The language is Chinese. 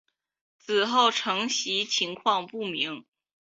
此后承袭情况不明。